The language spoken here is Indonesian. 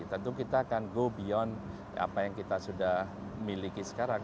tentu kita akan go beyond apa yang kita sudah miliki sekarang